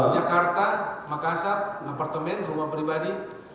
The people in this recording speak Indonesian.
jakarta makassar apartemen rumah pribadi